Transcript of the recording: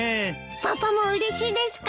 パパもうれしいですか？